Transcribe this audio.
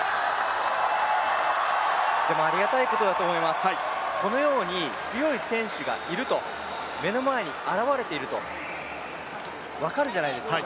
でも、ありがたいことだと思います、このように強い選手がいると、目の前に現れていると分かるじゃないですか。